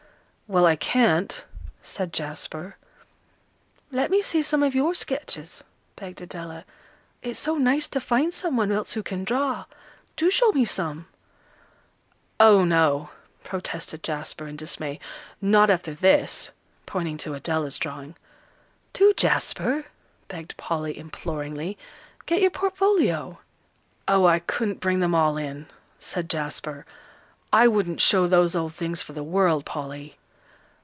"Well, I can't," said Jasper. "Let me see some of your sketches," begged Adela. "It's so nice to find some one else who can draw. Do show me some." "Oh, no," protested Jasper, in dismay, "not after this," pointing to Adela's drawing. "Do, Jasper," begged Polly, imploringly, "get your portfolio." "Oh, I couldn't bring them all in," said Jasper. "I wouldn't show those old things for the world, Polly."